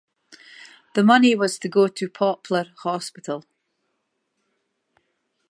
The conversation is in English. The money was to go to Poplar Hospital.